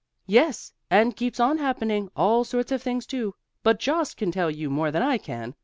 "Yes, and keeps on happening; all sorts of things, too. But Jost can tell you more than I can.